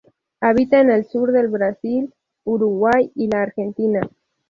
Habita en el sur del Brasil, Uruguay, y la Argentina.